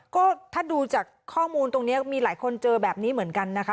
ก็ถ้าดูจากข้อมูลตรงนี้มีหลายคนเจอแบบนี้เหมือนกันนะคะ